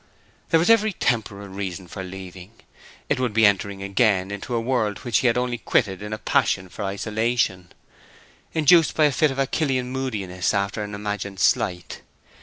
There was every temporal reason for leaving; it would be entering again into a world which he had only quitted in a passion for isolation, induced by a fit of Achillean moodiness after an imagined slight.